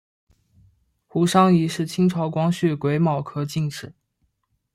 胡商彝是清朝光绪癸卯科进士。